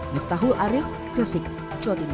miftahul arief gresik jodimur